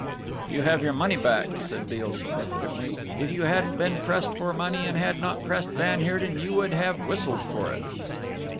"You have your money back," said Beale significantly, "if you hadn't been pressed for money and had not pressed van Heerden you would have whistled for it."